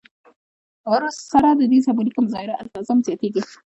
ورسره د دین سېمبولیکو مظاهرو التزام زیاتېږي.